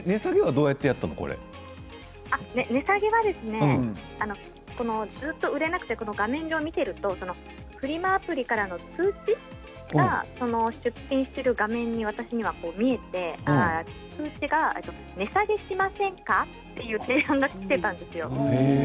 値下げはですねずっと売れなくて画面を見ているとフリマアプリからの通知が出品している画面に私には見えて通知が、値下げしませんか？と提案がきていたんですよ。